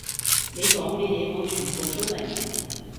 你講嘅嘢我全部都明